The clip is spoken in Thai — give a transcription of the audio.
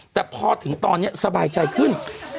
แต่พอถึงตอนนี้สบายใจขึ้น